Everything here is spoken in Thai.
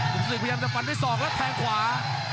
นุ่มสติกพยายามจะปั่นไปสองแล้วแทงขวา